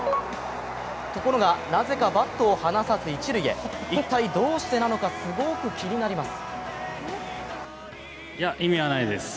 ところがなぜかバットを離さず一塁へ一体どうしてなのか、すごーく気になります。